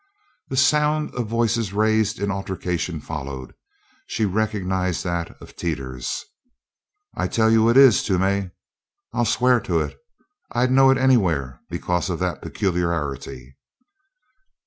The sound of voices raised in altercation followed. She recognized that of Teeters. "I tell you it is, Toomey! I'll swear to it! I'd know it anywhere because of that peculiarity!"